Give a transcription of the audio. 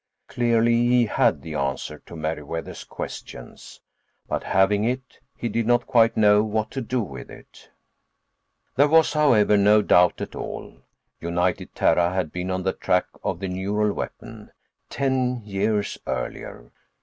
Clearly, he had the answer to Meriwether's questions. But, having it, he did not quite know what to do with it. There was, however, no doubt at all: United Terra had been on the track of the neural weapon—ten years earlier.